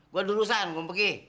gua dulusan gua mau pergi